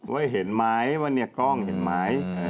ว่าเห็นไหมว่าเนี่ยกล้องเห็นไหม